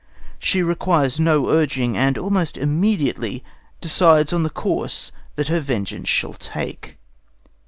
She requires no urging, and almost immediately decides on the course that her vengeance shall take.